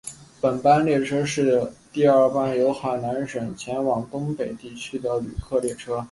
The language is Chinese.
本班列车是第二班由海南省前往东北地区的旅客列车。